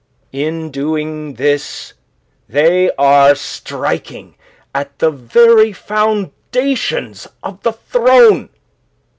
"In doing this they are striking at the very foundations of the throne.